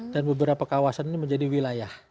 dan beberapa kawasan ini menjadi wilayah